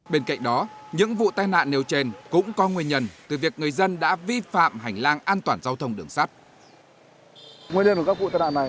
bên cạnh đó những vụ tai nạn nêu trên cũng có nguyên nhân từ việc người dân đã vi phạm hành lang an toàn giao thông đường sắt